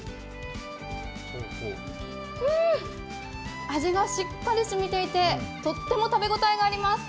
うーん、味がしっかりしみていてとっても食べ応えがあります。